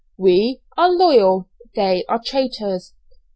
We are loyal, they are traitors.